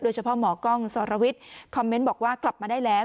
เฉพาะหมอกล้องสรวิทย์คอมเมนต์บอกว่ากลับมาได้แล้ว